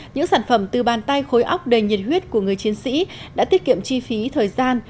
những sản phẩm từ bàn tay khối óc đầy nhiệt huyết của người chiến sĩ đã tiết kiệm chi phí thời gian